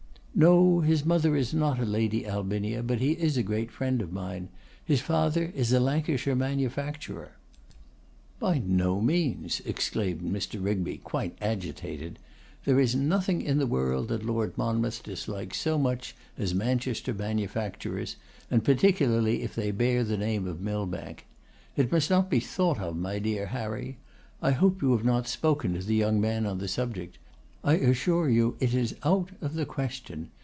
'No; his mother is not a Lady Albinia, but he is a great friend of mine. His father is a Lancashire manufacturer.' 'By no means,' exclaimed Mr. Rigby, quite agitated. 'There is nothing in the world that Lord Monmouth dislikes so much as Manchester manufacturers, and particularly if they bear the name of Millbank. It must not be thought of, my dear Harry. I hope you have not spoken to the young man on the subject. I assure you it is out of the question.